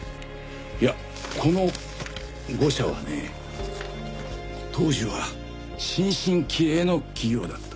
いやこの５社はね当時は新進気鋭の企業だった。